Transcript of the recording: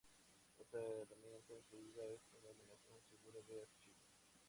Otra herramienta incluida es una eliminación segura de archivos.